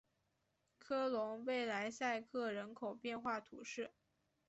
科隆贝莱塞克人口变化图示